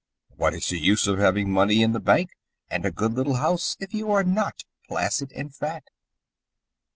What is the use of having money in the bank and a good little house if you are not placid and fat?